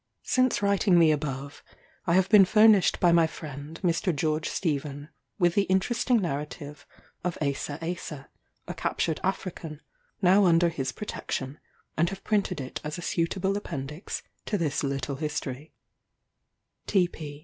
Since writing the above, I have been furnished by my friend Mr. George Stephen, with the interesting narrative of Asa Asa, a captured African, now under his protection; and have printed it as a suitable appendix to this little history.